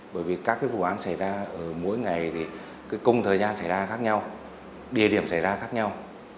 bởi vì các vụ án xảy ra mỗi ngày thì công thời gian xảy ra khác nhau địa điểm xảy ra khác nhau